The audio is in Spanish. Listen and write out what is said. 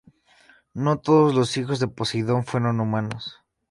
No todos los hijos de Poseidón fueron humanos.